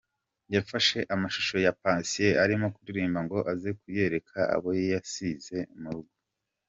Yafashe amashusho ya Patient arimo kuririmba ngo aze kuyereka abo yasize mu rugo.